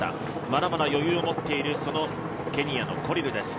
まだまだ余裕を持っているケニアのコリルです。